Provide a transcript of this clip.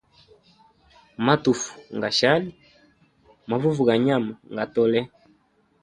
Matufu ngashali, mavuvi ga nyama nga tole.